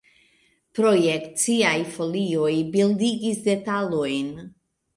Projekciaj folioj bildigis detalojn.